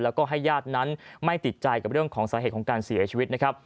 แล้วก็ให้ญาตินั้นไม่ติดใจกับเรื่องของสาเหตุของการเสียชีวิตนะครับ